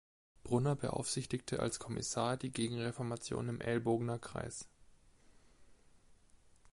Brunner beaufsichtigte als Kommissar die Gegenreformation im Elbogener Kreis.